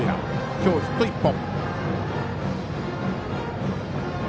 今日ヒット１本。